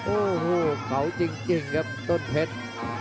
โอ้โหเก่าจริงครับต้นเพชร